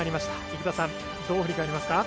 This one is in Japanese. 生田さん、どう振り返りますか？